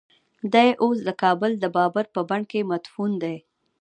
دی اوس د کابل د بابر په بڼ کې مدفون دی.